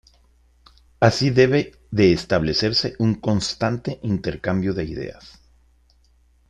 Así debe de establecerse un constante intercambio de ideas.